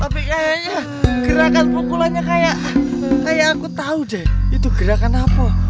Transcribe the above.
tapi kayaknya gerakan pukulannya kayak kayak aku tau jay itu gerakan apa